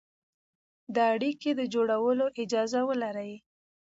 د اړيکې د جوړولو اجازه ولري،